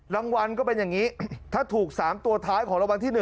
รางวัลก็เป็นอย่างนี้ถ้าถูก๓ตัวท้ายของรางวัลที่๑